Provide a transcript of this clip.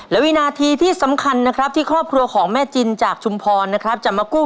และวินาทีที่สำคัญนะครับที่ครอบครัวของแม่จินจากชุมพรนะครับจะมากู้